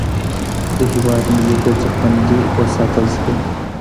د هيواد ملي ګټي خوندي وساتل سوې.